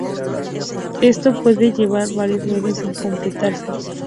Esto puede llevar varios meses en completarse.